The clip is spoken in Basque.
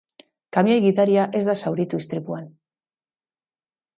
Kamioi gidaria ez da zauritu istripuan.